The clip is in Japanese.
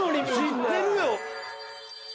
知ってるよ。